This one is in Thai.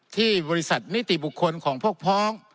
ที่บริษัทนิติบุคคลของพวกพ้อง